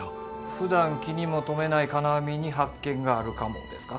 ふだん気にも留めない金網に発見があるかもですか？